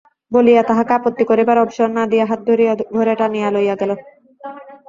বলিয়া তাঁহাকে আপত্তি করিবার অবসর না দিয়া হাত ধরিয়া ঘরে টানিয়া লইয়া গেল।